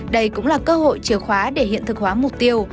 đây cũng là cơ hội chìa khóa để hiện thực hóa mục tiêu